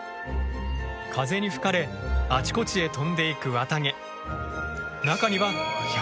風に吹かれあちこちへ飛んでいく綿毛。